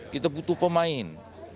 kita butuh pemain